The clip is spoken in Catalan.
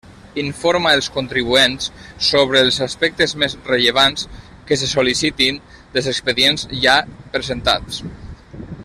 Informa els contribuents sobre els aspectes més rellevants que se sol·licitin dels expedients ja presentats.